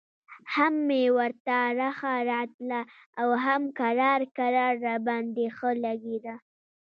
هم مې ورته رخه راتله او هم کرار کرار راباندې ښه لګېده.